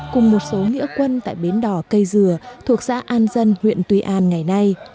cùng một số nghĩa quân tại bến đỏ cây dừa thuộc xã an dân huyện tuy an ngày nay